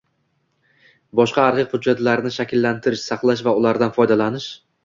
boshqa arxiv hujjatlarini shakllantirish, saqlash va ulardan foydalanish;